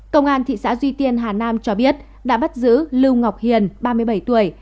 công an thị xã duy tiên hà nam cho biết đã bắt giữ lưu ngọc hiền ba mươi bảy tuổi